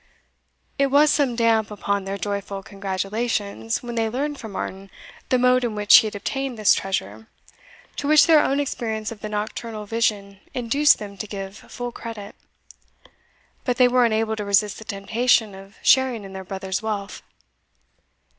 It was some damp upon their joyful congratulations when they learned from Martin the mode in which he had obtained this treasure, to which their own experience of the nocturnal vision induced them to give full credit. But they were unable to resist the temptation of sharing in their brother's wealth.